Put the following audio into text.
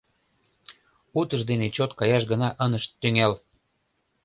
Утыждене чот каяш гына ынышт тӱҥал!